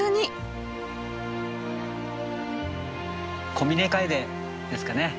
コミネカエデですかね。